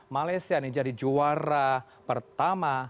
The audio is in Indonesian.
malaysia nih jadi juara pertama